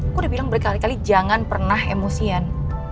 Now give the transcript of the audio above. aku udah bilang berkali kali jangan pernah emosian